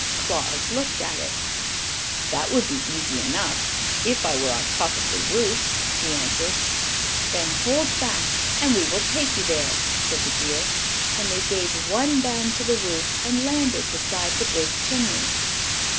Claus looked at it. "That would be easy enough if I were on top of the roof," he answered. "Then hold fast and we will take you there," said the deer, and they gave one bound to the roof and landed beside the big chimney.